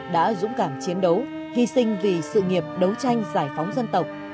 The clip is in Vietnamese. đã dũng cảm chiến đấu hy sinh vì sự nghiệp đấu tranh giải phóng dân tộc